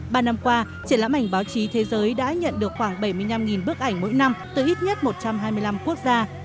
ba năm qua triển lãm ảnh báo chí thế giới đã nhận được khoảng bảy mươi năm bức ảnh mỗi năm từ ít nhất một trăm hai mươi năm quốc gia